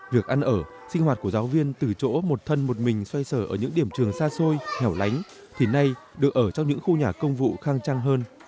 việc ăn ở sinh hoạt của giáo viên từ chỗ một thân một mình xoay sở ở những điểm trường xa xôi hẻo lánh thì nay được ở trong những khu nhà công vụ khang trang hơn